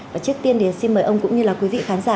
và trước tiên thì xin mời ông cũng như là quý vị khán giả